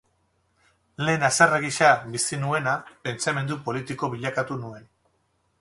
Lehen haserre gisa bizi nuena, pentsamendu politiko bilakatu nuen.